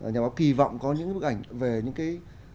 nhà báo kỳ vọng có những bức ảnh về những cái